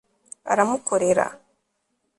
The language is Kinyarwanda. aramukorera